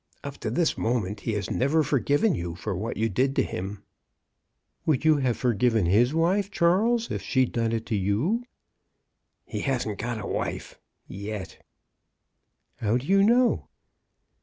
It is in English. Up to this mo ment he has never forgiven you for what you did to him." Would you have forgiven his wife, Charles, if she'd done it to you ?" "He hasn't got a wife — yet." " How do you know?